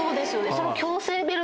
その。